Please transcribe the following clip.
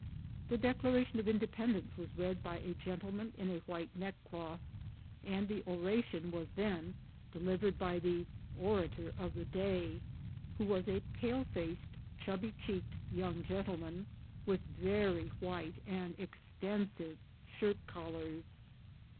The Declaration of Independence was read by a gentleman in a white neckcloth, and the oration was then delivered by the "orator of the day," who was a pale faced, chubby cheeked young gentleman, with very white and extensive shirt collars.